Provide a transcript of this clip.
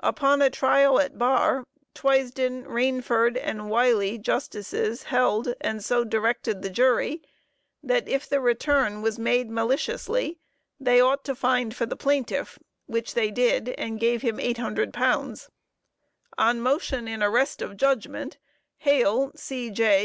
Upon a trial at bar, Twysden, Rainsford, and Wylie Js. held, and so directed the jury, that if the return was made maliciously, they ought to find for the plaintiff, which they did and gave him £800. On motion in arrest of judgment, Hale, C.J.